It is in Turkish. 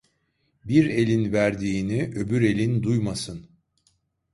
Bir elin verdiğini, öbür elin duymasın.